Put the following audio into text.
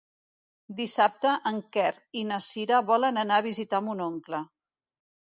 Dissabte en Quer i na Cira volen anar a visitar mon oncle.